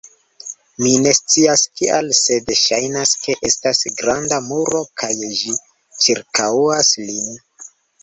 Mi ne scias kial sed ŝajnas, ke estas granda muro kaj ĝi ĉirkaŭas lin